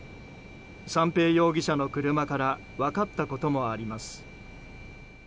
三瓶容疑者の車から分かったこともあります。